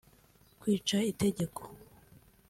kwica itegeko